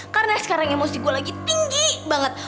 karena sekarang emosi gue lagi tinggi banget